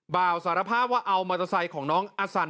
บ่าวสารภาพว่าเอามอเตอร์ไซค์ของน้องอสัน